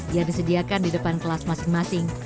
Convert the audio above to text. yang disediakan di depan kelas masing masing